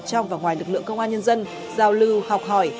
trong và ngoài lực lượng công an nhân dân giao lưu học hỏi